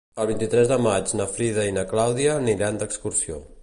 El vint-i-tres de maig na Frida i na Clàudia aniran d'excursió.